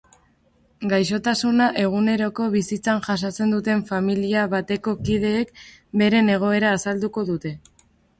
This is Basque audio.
Gaixotasuna eguneroko bizitzan jasaten duten familia bateko kideek beren egoera azalduko dute.